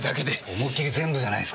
思いっきり全部じゃないすか！